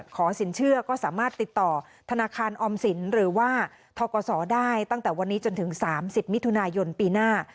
สินเชื่อก็สามารถติดต่อธนาคารออมสินหรือว่าทกศได้ตั้งแต่วันนี้จนถึง๓๐มิถุนายนปีหน้า